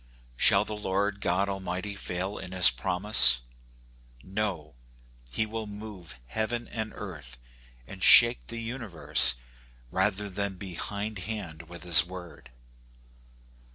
Shall the Lord God Almighty fail in his promise ? No, he will move heaven and earth, and shake the universe, rather than be behindhand with his word.